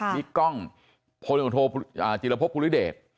นี่กล้องโพลีโอโธจิลพพภูริเดช